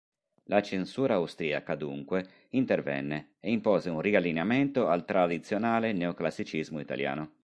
La censura austriaca, dunque, intervenne, e impose un riallineamento al tradizionale neoclassicismo italiano.